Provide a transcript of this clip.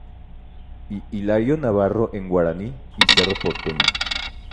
Y Hilario Navarro en Guaraní y Cerro Porteño.